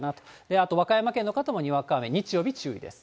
あと和歌山県の方もにわか雨、日曜日注意です。